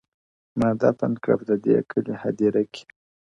ما دفن کړه د دې کلي هدیره کي,